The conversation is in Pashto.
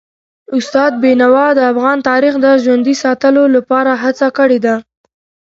استاد بینوا د افغان تاریخ د ژوندي ساتلو لپاره هڅه کړي ده.